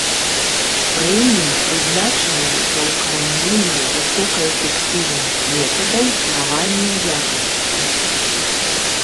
Прэміі прызначаныя за ўкараненне высокаэфектыўных метадаў кіравання якасцю.